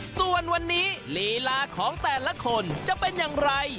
ส่วนวันนี้ลีลาของแต่ละคนจะเป็นอย่างไร